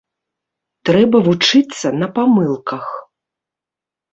Трэба вучыцца на памылках.